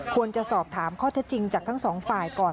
ควรจะสอบถามข้อเท็จจริงจากทั้งสองฝ่ายก่อน